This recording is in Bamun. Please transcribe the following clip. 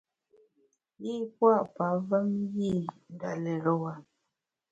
Yî pua’ pavem yî nda lérewa.